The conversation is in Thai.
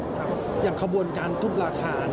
อย่างขบวนการทุบราคา